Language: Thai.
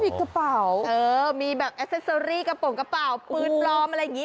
มีกระเป๋ามีแบบแอสเตอร์เซอรี่กระโปรงกระเป๋าปืนปลอมอะไรอย่างนี้